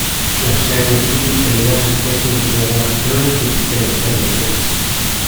La serie utilizza diverse tecniche di lavorazione tipiche del periodo.